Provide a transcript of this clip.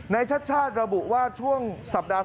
นายชัชชาธิ์ระบุว่าช่วงสัปดาห์สุดท้าย